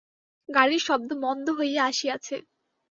গাড়ির শব্দ মন্দ হইয়া আসিয়াছে।